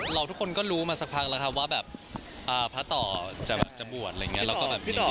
เราทุกคนก็รู้มาสักพันค่ะว่าแบบพระต่อจะบวชไรอย่างนี้